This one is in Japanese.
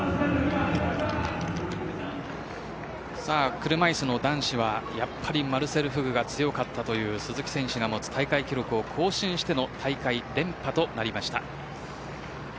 車いすの男子はやっぱりマルセル・フグが強かったという鈴木選手が持つ大会記録を更新して連覇となりました。